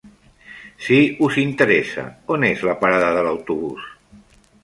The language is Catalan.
Si us interessa, on és la parada de l'autobús?